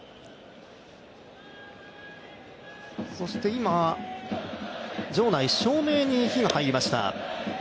今、場内、照明に火が入りました。